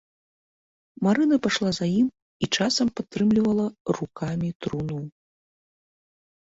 Марына пайшла за ім і часам падтрымлівала рукамі труну.